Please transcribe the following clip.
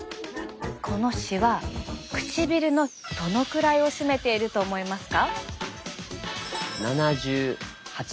このしわ唇のどのくらいを占めていると思いますか？